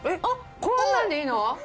こんなんでいいの？